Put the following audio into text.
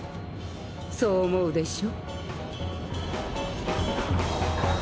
そう思うでしょ？